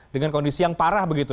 dengan kondisi yang parah begitu